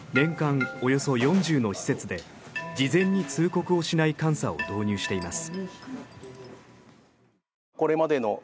およそ４０の施設で事前に通告をしない監査を導入しています。